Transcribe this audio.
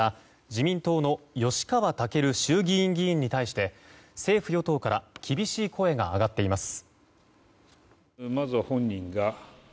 自民党の吉川赳衆議院議員に対して政府・与党から厳しい声が上がっています。